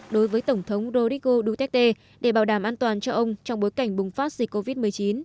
đối với tổng thống rodrigo duterte để bảo đảm an toàn cho ông trong bối cảnh bùng phát dịch covid một mươi chín